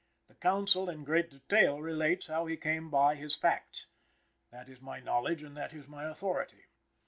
The counsel in great detail relates how he came by his facts. "That is my knowledge and that is my authority."